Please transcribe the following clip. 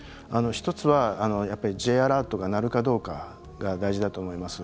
１つはやっぱりＪアラートが鳴るかどうかが大事だと思います。